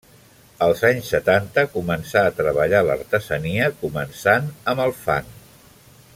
Als anys setanta, començà a treballar l'artesania, començant amb el fang.